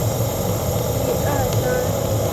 后嫁于杨肃观。